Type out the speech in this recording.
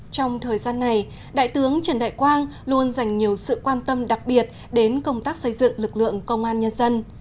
trong thời gian này đại tướng trần đại quang luôn dành nhiều sự quan tâm đặc biệt đến công tác xây dựng lực lượng công an nhân dân